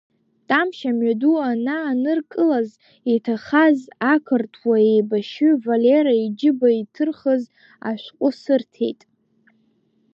Тамшь амҩаду анааныркылаз иҭахаз ақырҭуа еибашьҩы Валера иџьыба иҭырхыз ашәҟәы сырҭеит.